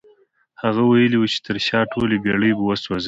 هغه ويلي وو چې تر شا ټولې بېړۍ به سوځوي.